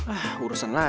ah urusan lah